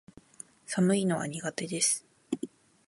寒いのは苦手です